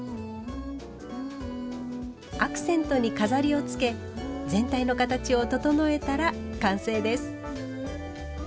アクセントに飾りをつけ全体の形を整えたら完成です。